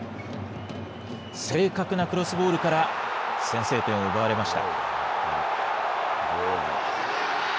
正確なクロスボールから、先制点を奪われました。